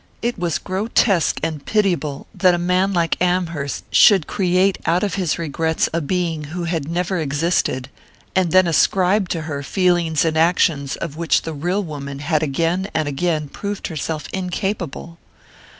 It was grotesque and pitiable that a man like Amherst should create out of his regrets a being who had never existed, and then ascribe to her feelings and actions of which the real woman had again and again proved herself incapable!